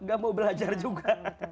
gak mau belajar juga